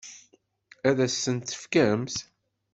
Ad as-tent-tefkemt?